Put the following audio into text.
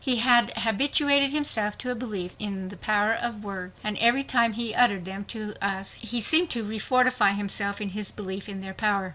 He had habituated himself to a belief in the power of words, and every time he uttered them to us he seemed to refortify himself in his belief in their power.